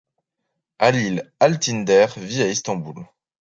Halil Altındere vit à Istanbul.